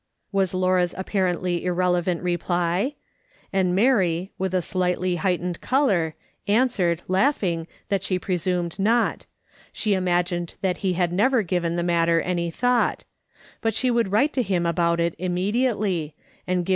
was Laura's apparently irrelevant reply, and Mary, with a slightly heightened colour, answered, laughing, that she presumed not ; she imagined that he had never given the matter any thought ; but she would write to him about it immediately, and give 248 MRS.